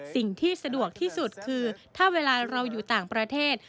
สิ่งที่สะดวกที่สุดคือถ้าเวลาเราอยู่ต่างประเทศ